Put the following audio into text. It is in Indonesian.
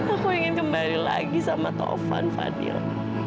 aku ingin kembali lagi sama tovan fadil